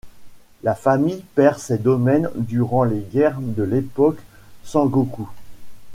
La famille perd ses domaines durant les guerres de l'époque Sengoku.